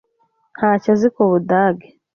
Ntacyo azi ku Budage.